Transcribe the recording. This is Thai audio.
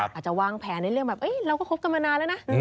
อาจจะวางแผนในเรื่องแบบเราก็คบกันมานานแล้วนะ